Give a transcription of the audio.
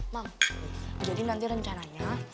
mam jadi nanti rencananya